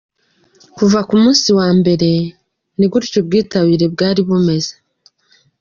Kuva ku munsi wa mbere, ni gutya ubwitabire bwari bumeze .